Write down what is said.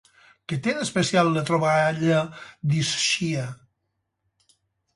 Què té d'especial la troballa d'Ischia?